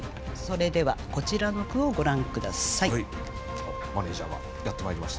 それではこちらの句をご覧下さい。